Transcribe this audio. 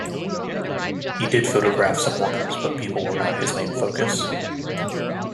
He did photograph some workers but people were not his main focus.